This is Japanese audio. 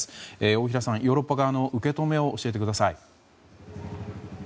大平さん、ヨーロッパ側の受け止めを教えてください。